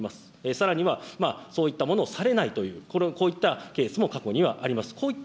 さらには、そういったものをされないという、こういったケースも過去にはあります。